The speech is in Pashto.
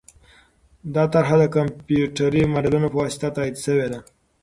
دا طرحه د کمپیوټري ماډلونو په واسطه تایید شوې ده.